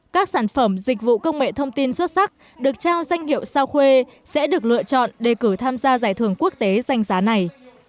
các sản phẩm dịch vụ công nghệ thông tin xuất sắc được trao danh hiệu sao khuê sẽ được lựa chọn để cử tham gia giải thưởng quốc tế danh giá này